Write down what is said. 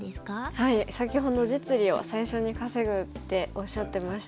先ほど実利を最初に稼ぐっておっしゃってましたが。